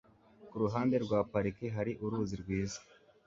Kuruhande rwa parike hari uruzi rwiza.